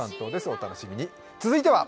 お楽しみに。